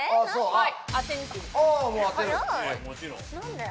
はい！